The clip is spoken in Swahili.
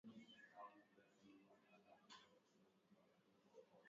aah watoto wa miaka kumi na miwili au miaka tisa